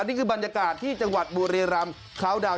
นี่คือบรรยากาศที่จังหวัดบุรีรำคาวดาวน